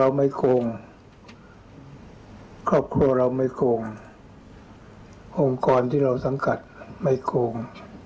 ไม่โกงครอบครัวเราไม่โกงองค์กรที่เราสังกัดไม่โกง